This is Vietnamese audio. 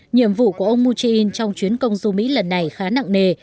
nhiệm vụ của ông moon jae in trong chuyến công du mỹ lần này khá nặng nề